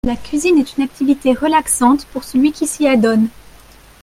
La cuisine est une activité relaxante pour celui qui s'y adonne